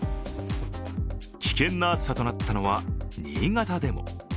危険な暑さとなったのは新潟でも。